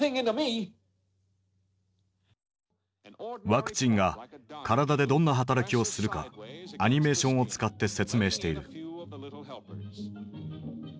ワクチンが体でどんな働きをするかアニメーションを使って説明している。